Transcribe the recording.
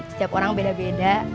setiap orang beda beda